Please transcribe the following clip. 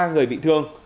ba người bị thương